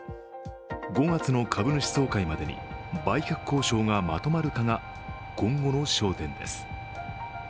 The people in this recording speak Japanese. ５月の株主総会までに売却交渉がまとまるかが今後の焦点です。